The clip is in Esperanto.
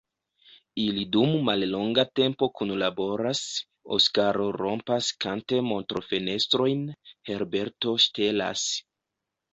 Ili dum mallonga tempo kunlaboras: Oskaro rompas kante montrofenestrojn, Herberto ŝtelas.